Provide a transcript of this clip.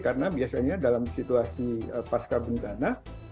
karena biasanya dalam situasi pasca bencana